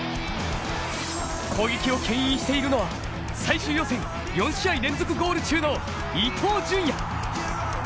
攻撃をけん引しているのは最終予選４試合連続ゴール中の伊東純也。